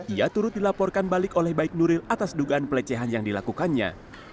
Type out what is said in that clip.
ia turut dilaporkan balik oleh baik nuril atas dugaan pelecehan yang dilakukannya